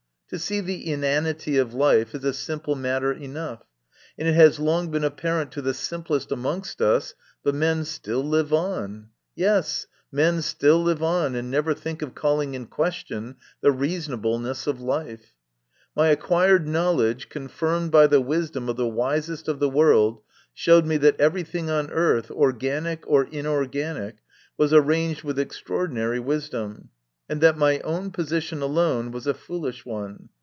To see the inanity of life is a simple matter enough, and it has long been apparent to the simplest amongst us, but men still live on. Yes, men live on, and never think of calling in question the reasonableness of life ! My acquired knowledge, confirmed by the wisdom of the wisest of the world, showed me that everything on earth, organic or inorganic, was arranged with extraordinary wisdom, and that my own position alone was a foolish one.